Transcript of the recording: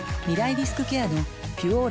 リスクケアの「ピュオーラ」